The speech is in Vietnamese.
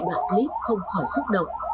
đoạn clip không khỏi xúc động